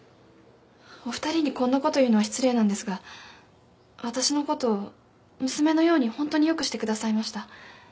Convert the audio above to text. お二人にこんなこと言うのは失礼なんですがわたしのこと娘のようにホントに良くしてくださいました。